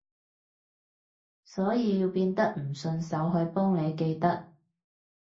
所以要變得唔順手去幫你記得